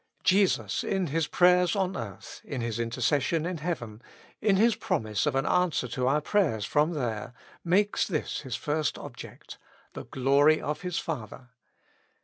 Jesus in His prayers on earth, in His intercession in heaven, in His promise of an answer to our prayers from there, makes this His first object — the glory of His Father.